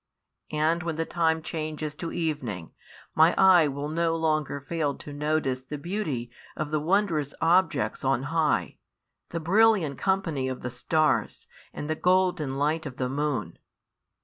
And when the time changes to evening, my eye will no longer fail to notice |27 the beauty of the wondrous objects on high, the brilliant company of the stars, and the golden light of the moon.